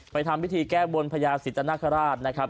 ไปทำวิธีแก้บ้นพระยาศีสัตว์ตนาคาราชนะครับ